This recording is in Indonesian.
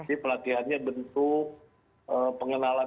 jadi pelatihannya bentuk pengenalan